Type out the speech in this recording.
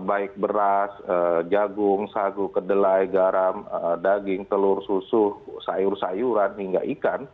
baik beras jagung sagu kedelai garam daging telur susu sayur sayuran hingga ikan